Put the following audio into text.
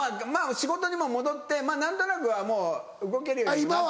仕事にも戻って何となくはもう動けるようにもなって。